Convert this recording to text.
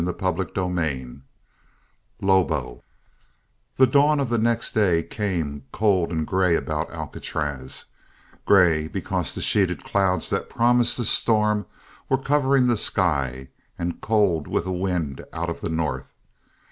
CHAPTER XXIII LOBO The dawn of the next day came cold and grey about Alcatraz, grey because the sheeted clouds that promised a storm were covering the sky, and cold with a wind out of the north.